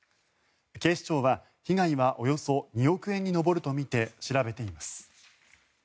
警視庁は被害はおよそ２億円に上るとみて調べています。